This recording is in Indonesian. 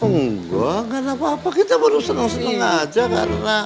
enggak karena apa apa kita baru senang senang aja karena